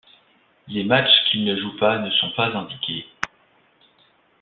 Les matches qu'il ne joue pas ne sont pas indiqués.